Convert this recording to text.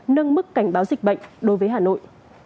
nâng mức cảnh báo dịch bệnh đối với hà nội